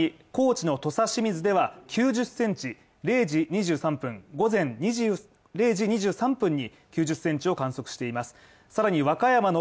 さらに、高知の土佐清水では９０センチ０時２３分午前０時２３分に９０センチを観測しています。